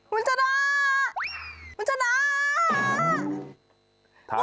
คุณชนะ